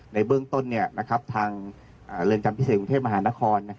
ในเบื้องต้นทางเรือนจำพิเศษกรุงเทพมหานคร